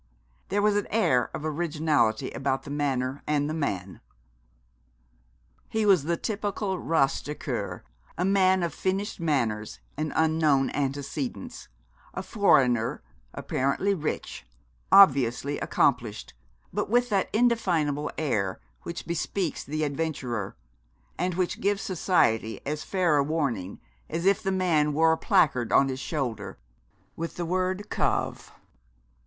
There was an air of originality about the manner and the man. He was the typical rastaquouère, a man of finished manners, and unknown antecedents, a foreigner, apparently rich, obviously accomplished, but with that indefinable air which bespeaks the adventurer; and which gives society as fair a warning as if the man wore a placard on his shoulder with the word cave.